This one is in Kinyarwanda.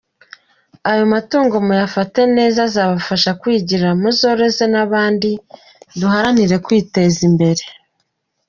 Ayo matungo muyafate neza azabafashe kwigira, muzoroze abandi duharanire kwiteza imbere.